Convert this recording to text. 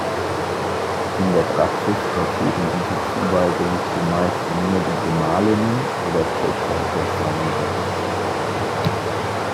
In der Praxis erfuhren diese Zuweisung zumeist nur die Gemahlinnen oder Töchter des Sonnengottes.